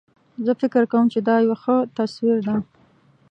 زه فکر کوم چې دا یو ښه تصویر ده